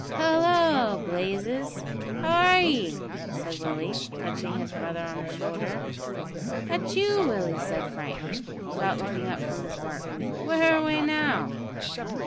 "Hallo, Blazes! how are ye?" said Willie, touching his brother on the shoulder. "That you, Willie?" said Frank, without looking up from his work. "Where away now?"